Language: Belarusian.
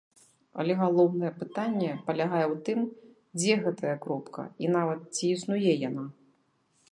Але галоўнае пытанне палягае ў тым, дзе гэтая кропка, і нават, ці існуе яна.